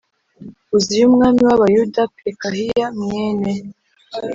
Uziya umwami w Abayuda Pekahiya mwene